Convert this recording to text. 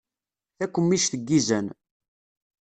Takemmict n yizan.